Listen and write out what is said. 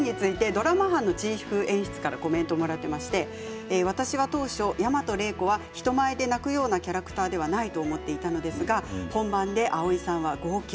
ドラマ班のチーフ演出はこのシーンについて私は当初、大和礼子は人前で泣くようなキャラクターではないと思っていたのですが本番で蒼井さんは号泣。